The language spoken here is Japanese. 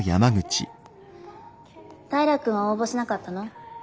平君は応募しなかったの？